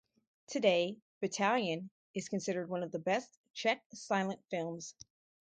Today "Battalion" is considered one of the best Czech silent films.